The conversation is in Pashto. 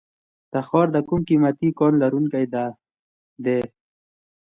تخار د کوم قیمتي کان لرونکی دی؟